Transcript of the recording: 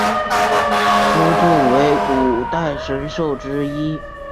夫诸为古代神兽之一。